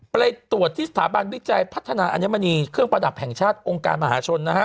ไปตรวจที่สถาบันวิจัยพัฒนาอัญมณีเครื่องประดับแห่งชาติองค์การมหาชนนะฮะ